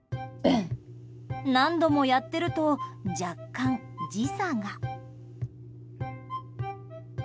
何度もやっていると若干、時差が。